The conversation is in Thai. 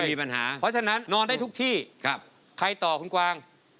มีปัญหาเพราะฉะนั้นนอนได้ทุกที่ใครต่อคุณกวาง